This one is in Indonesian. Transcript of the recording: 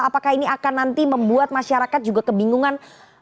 apakah ini akan nanti membuat masyarakat juga kebingungan